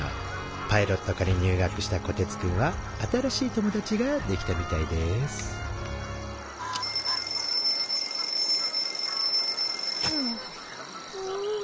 パイロット科に入学したこてつくんは新しい友達ができたみたいですふああ。